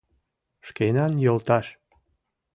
- Шкенан, йолташ...